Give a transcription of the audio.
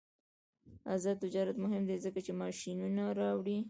آزاد تجارت مهم دی ځکه چې ماشینونه راوړي.